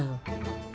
đến tận bây giờ